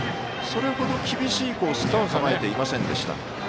それほど厳しいコースに構えてませんでした。